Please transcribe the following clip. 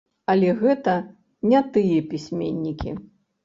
Але гэта не тыя пісьменнікі.